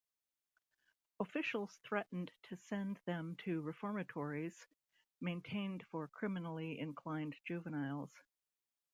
Officials threatened to send them to reformatories maintained for criminally inclined juveniles.